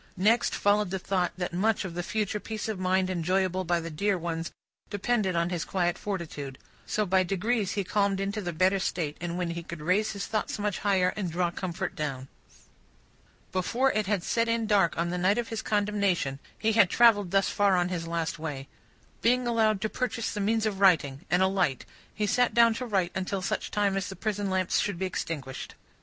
Next followed the thought that much of the future peace of mind enjoyable by the dear ones, depended on his quiet fortitude. So, by degrees he calmed into the better state, when he could raise his thoughts much higher, and draw comfort down. Before it had set in dark on the night of his condemnation, he had travelled thus far on his last way. Being allowed to purchase the means of writing, and a light, he sat down to write until such time as the prison lamps should be extinguished.